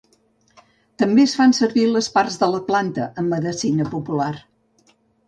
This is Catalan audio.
També es fan servir les parts de la planta en medicina popular.